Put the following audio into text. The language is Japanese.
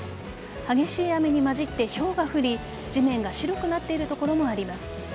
激しい雨にまじってひょうが降り地面が白くなっている所もあります。